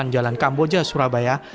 delapan jalan kamboja surabaya